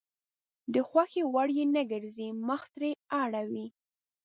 د خوښې وړ يې نه ګرځي مخ ترې اړوي.